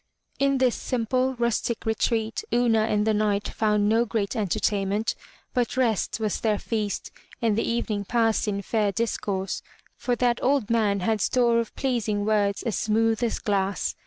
In this simple, rustic retreat Una and the Knight found no great entertainment, but rest was their feast and the evening passed in fair discourse, for that old man had store of pleasing words as smooth as glass.